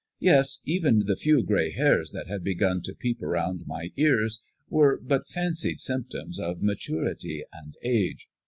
Yes, even the few gray hairs that had begun to peep around my ears were but fancied symptoms of maturity and age.